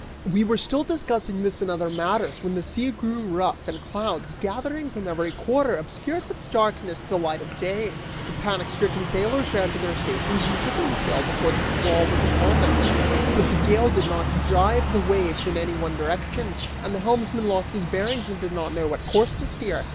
We were still discussing this and other matters when the sea grew rough, and clouds, gathering from every quarter, obscured with darkness the light of day. The panic stricken sailors ran to their stations and took in sail before the squall was upon them, but the gale did not drive the waves in any one direction and the helmsman lost his bearings and did not know what course to steer.